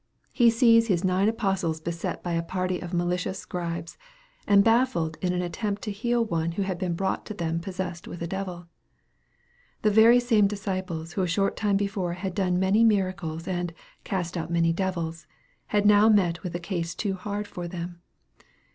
He sees His nine apostles beset by a party of malicious Scribes, and baffled in an attempt to heal one who had been brought to them possessed with a devil. The very same disciples who a short time before had done many miracles and " cast out many devils," had now met with a case too hard for them.